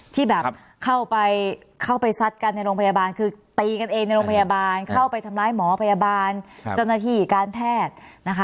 ที่แบบเข้าไปเข้าไปซัดกันในโรงพยาบาลคือตีกันเองในโรงพยาบาลเข้าไปทำร้ายหมอพยาบาลเจ้าหน้าที่การแพทย์นะคะ